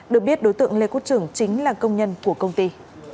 được biết đối tượng lê quốc trưởng chính là công nhân của công ty